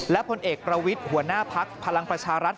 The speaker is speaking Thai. และผลเอกประวิทย์หัวหน้าพักพลังประชารัฐ